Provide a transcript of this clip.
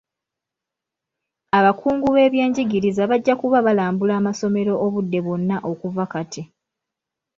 Abakungu b'ebyenjigiriza bajja kuba balambula amasomero obudde bwonna okuva kati.